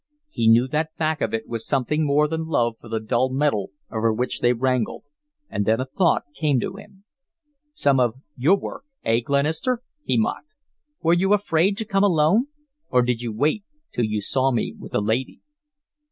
He knew that back of it was something more than love for the dull metal over which they wrangled, and then a thought came to him. "Some of your work, eh, Glenister?" he mocked. "Were you afraid to come alone, or did you wait till you saw me with a lady?"